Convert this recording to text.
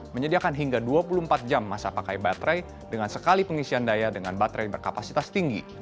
menyediakan hingga dua puluh empat jam masa pakai baterai dengan sekali pengisian daya dengan baterai berkapasitas tinggi